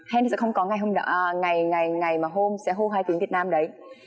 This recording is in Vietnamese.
hèn sẽ không có ngày mà hôn sẽ hôn hai tiếng việt nam đấy